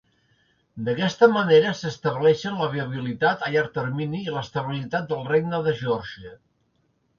D'aquesta manera, s'estableixen la viabilitat a llarg termini i l'estabilitat del regne de Geòrgia.